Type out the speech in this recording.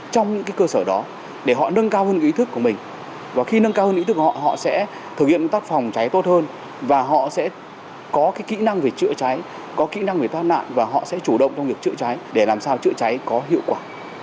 trong những cơ sở đó để họ nâng cao hơn ý thức của mình và khi nâng cao hơn ý thức họ họ sẽ thực hiện tác phòng cháy tốt hơn và họ sẽ có kỹ năng về chữa cháy có kỹ năng về thoát nạn và họ sẽ chủ động trong việc chữa cháy để làm sao chữa cháy có hiệu quả